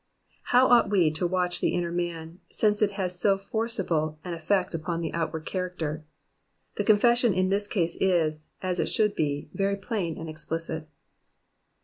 Hqw ought we to watch the inner man, since it has so forcible an effect upon the outward character. The confession in this case is, as it should be, very plain and explicit.